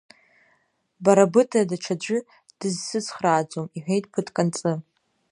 Бара быда даҽаӡәы дызсыцхрааӡом, — иҳәеит ԥыҭк анҵы.